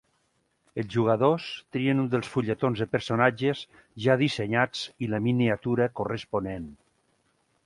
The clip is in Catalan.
Els jugadors trien un dels fulletons de personatges ja dissenyats i la miniatura corresponent.